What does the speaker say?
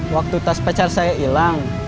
waktu tas pacar saya hilang